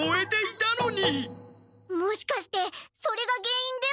もしかしてそれがげんいんでは？